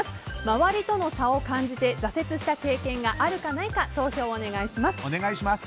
周りとの差を感じて挫折した経験があるかないか投票をお願いします。